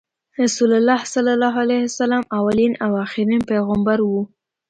رسول الله ص اولین او اخرین پیغمبر وو۔